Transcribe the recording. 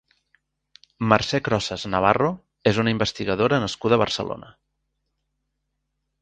Mercè Crosas Navarro és una investigadora nascuda a Barcelona.